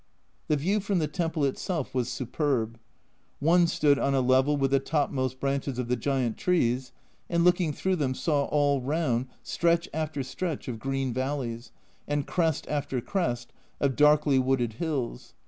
The view from the temple itself was superb. One stood on a level with the topmost branches of the giant trees, and looking through them saw all round stretch after stretch of green valleys, and crest after crest of darkly wooded hills.